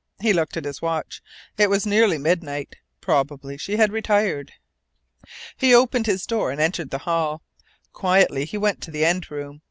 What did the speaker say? He looked at his watch. It was nearly midnight. Probably she had retired. He opened his door and entered the hall. Quietly he went to the end room.